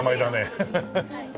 ハハハハ。